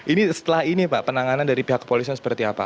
ini setelah ini pak penanganan dari pihak kepolisian seperti apa